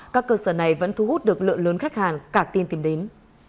các cơ sở này vẫn thu hút được lượng lớn khách hàng cả tin tìm đến